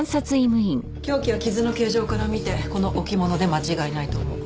凶器は傷の形状から見てこの置物で間違いないと思う。